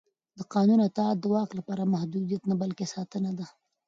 د قانون اطاعت د واک لپاره محدودیت نه بلکې ساتنه ده